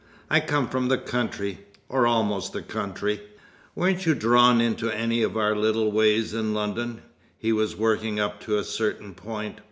I come from the country or almost the country." "Weren't you drawn into any of our little ways in London?" He was working up to a certain point.